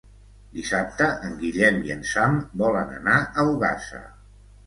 Dissabte en Guillem i en Sam volen anar a Ogassa.